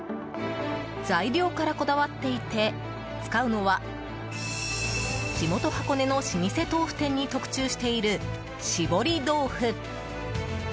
材料からこだわっていて使うのは地元・箱根の老舗豆腐店に特注している、しぼり豆腐。